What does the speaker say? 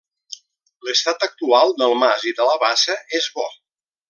L’estat actual del mas i de la bassa, és bo.